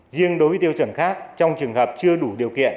riêng đối với tiêu chuẩn khác trong trường hợp chưa đủ điều kiện